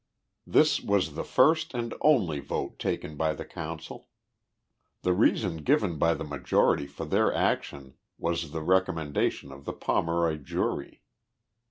This was the first and only vote taken by the Council. The reason given by the majority for their action was the recommend ation of the Pomeroy jury.